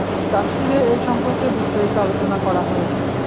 তাফসীরে এ সম্পর্কে বিস্তারিত আলোচনা করা হয়েছে।